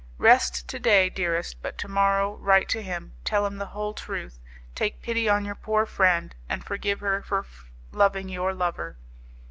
Rest to day, dearest, but to morrow write to him, tell him the whole truth; take pity on your poor friend, and forgive her for loving your lover.